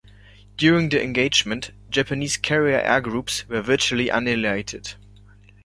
During the engagement, Japanese carrier air groups were virtually annihilated.